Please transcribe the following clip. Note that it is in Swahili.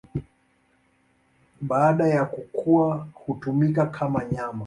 Baada ya kukua hutumika kama nyama.